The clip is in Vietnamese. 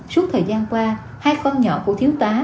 suốt thời gian qua hai con nhỏ của thiếu tá